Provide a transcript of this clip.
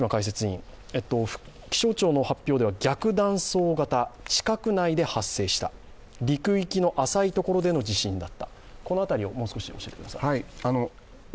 気象庁の発表では逆断層型、地殻内で起きた陸域の浅い所での地震だった、この辺りをもう少し教えてください。